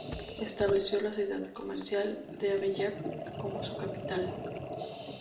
Estableció la ciudad comercial de Abiyán como su capital.